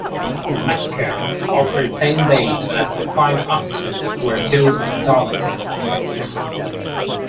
The massacre occurred ten days after five officers were killed in Dallas, Texas.